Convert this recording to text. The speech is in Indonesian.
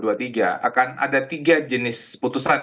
akan ada tiga jenis putusan